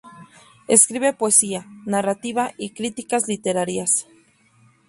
Escribe poesía, narrativa y críticas literarias.